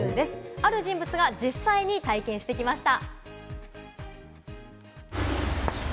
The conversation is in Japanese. ある人物が実際に体験してきました。